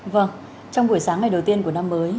vâng trong buổi sáng ngày đầu tiên của năm mới